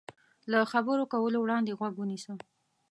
له خبرو کولو وړاندې غوږ ونیسه.